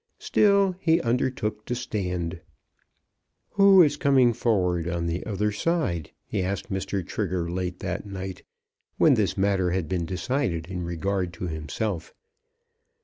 Still he undertook to stand. "Who is coming forward on the other side?" he asked Mr. Trigger late at night, when this matter had been decided in regard to himself.